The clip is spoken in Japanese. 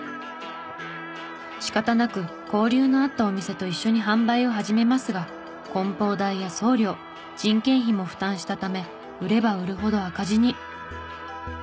仕方なく交流のあったお店と一緒に販売を始めますが梱包代や送料人件費も負担したため売れば売るほど赤字に。